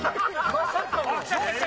まさかの。